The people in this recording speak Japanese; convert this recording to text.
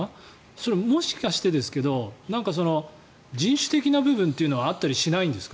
それ、もしかしてですけど人種的な部分というのはあったりしないんですか。